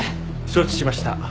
承知しました。